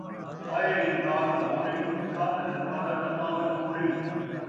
آئے یار لہوری، ݙکھاون دروازہ ٹپاون موری